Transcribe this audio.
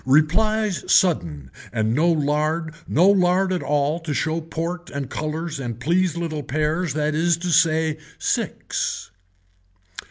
Replies sudden and no lard no lard at all to show port and colors and please little pears that is to say six.